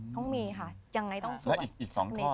ต้องมีค่ะยังไงต้องสวย